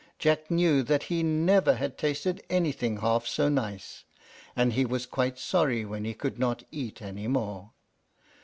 Jack knew that he never had tasted anything half so nice, and he was quite sorry when he could not eat any more.